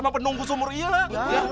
penunggu sumur kak